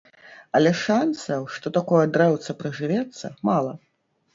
Але шанцаў, што такое дрэўца прыжывецца, мала.